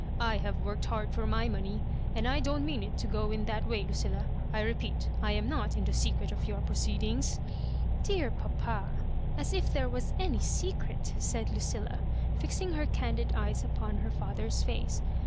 I have worked hard for my money, and I don't mean it to go in that way, LuciUa. I repeat, I am not in the secret of your proceedings "" Dear papa I as if there was any secret," said Lucilla, fixing her candiA eyes upon her other's face.